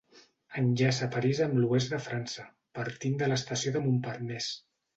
Enllaça París amb l'oest de França, partint de l'estació de Montparnasse.